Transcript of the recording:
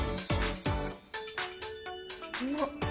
うまっ